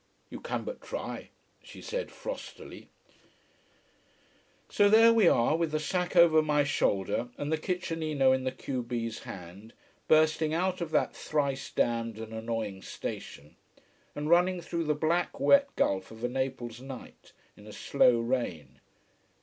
"You can but try," she said frostily. So there we are, with the sack over my shoulder and the kitchenino in the q b's hand, bursting out of that thrice damned and annoying station, and running through the black wet gulf of a Naples night, in a slow rain.